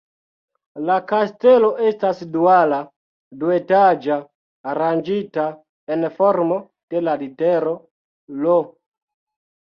La kastelo estas duala, duetaĝa, aranĝita en formo de la litero "L".